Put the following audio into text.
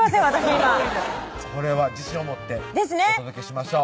今これは自信を持ってお届けしましょう